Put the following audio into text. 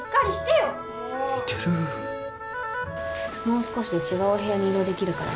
もう少しで違うお部屋に移動できるからね。